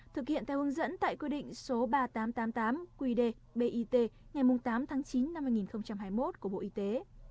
thực hiện theo hướng dẫn tại quy định số ba nghìn tám trăm tám mươi tám qd bit ngày tám tháng chín năm hai nghìn hai mươi một của bộ y tế